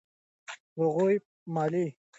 لفروی مالي توان نه درلود او له جین جلا شو.